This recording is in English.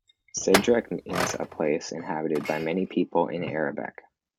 Sedrak means a place inhabited by many people in Arabic.